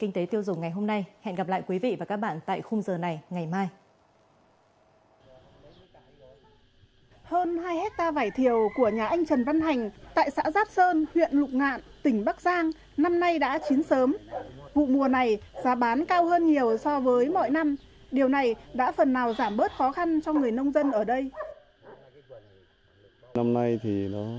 kinh tế tiêu dùng ngày hôm nay hẹn gặp lại quý vị và các bạn tại khung giờ này ngày mai